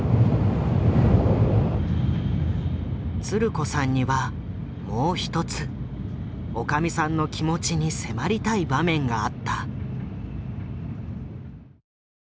つる子さんにはもう一つおかみさんの気持ちに迫りたい場面があった。